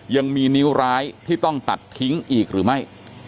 ยังมีนิ้วร้ายที่ต้องตัดทิ้งอีกหรือไม่